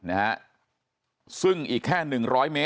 ทำให้สัมภาษณ์อะไรต่างนานไปออกรายการเยอะแยะไปหมด